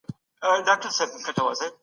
تاسي باید په ژوند کي له پوهي کار واخلئ.